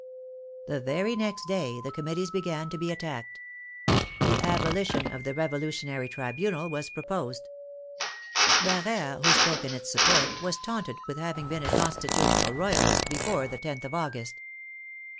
The very next day the Committees began to be attacked. The abolition of the Revolutionary Tribunal was pro posed. Barere, who spoke in its support, was taunted with having been a Constitutional Royalist before the loth of August.